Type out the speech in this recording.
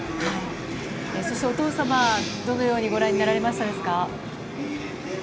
そしてお父様はどのようにご覧になられましたか？